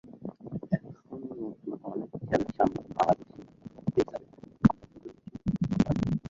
এখনো নতুন অনেক চ্যালেঞ্জ সামনে বাংলাদেশ পেসারের, নতুন অনেক কিছু শেখার বাকি।